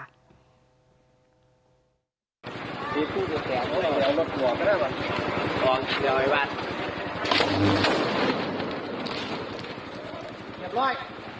เรียบร้อย